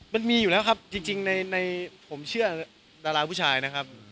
มันมีอยู่แล้วครับจริงในผมเชื่อดาราผู้ชายนะครับ